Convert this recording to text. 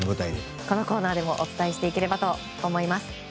このコーナーでもお伝えしていければと思います。